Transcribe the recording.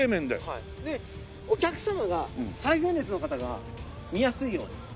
でお客様が最前列の方が見やすいように。